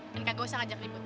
dan kagak usah ngajak ribut